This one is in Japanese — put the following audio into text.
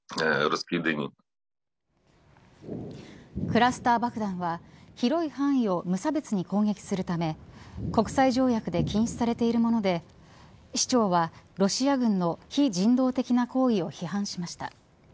クラスター爆弾は広い範囲を無差別に攻撃するため国際条約で禁止されているもので市長は、ロシア軍の非人道的な行為を批判しました。